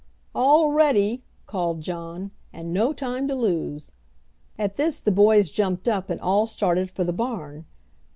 "All ready!" called John, "and no time to lose." At this the boys jumped up and all started for the barn.